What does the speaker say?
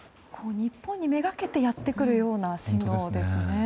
日本にめがけてやってくるような進路ですね。